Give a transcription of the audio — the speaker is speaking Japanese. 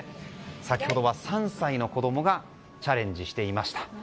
先ほどは３歳の子供がチャレンジしていました。